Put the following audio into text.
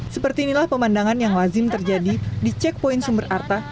seperti inilah pemandangan yang lazim terjadi di checkpoint sumber arta